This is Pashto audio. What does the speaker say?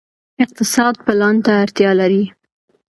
اقتصاد پلان ته اړتیا لري